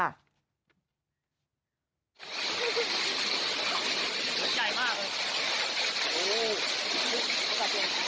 อันนี้ต้องถามปุ้ยถามดอมก่อน